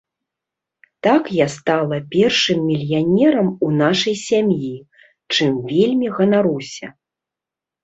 Так я стала першым мільянерам у нашай сям'і, чым вельмі ганаруся.